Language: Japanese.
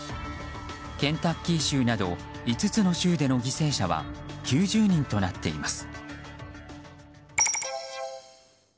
ケンタッキー州など５つの州での犠牲者は９０人となっています。